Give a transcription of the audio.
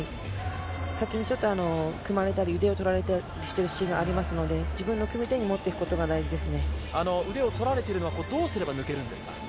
先に組まれたり腕を取られたりしたシーンがありますので、自分の組み手に持っていくことが腕を取られたらどうやったら抜けるんですか？